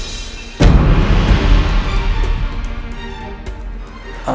sampai ketemu tak pak